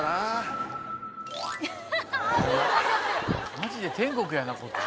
マジで天国やなこっち。